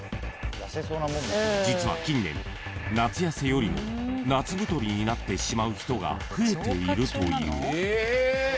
［実は近年夏痩せよりも夏太りになってしまう人が増えているという］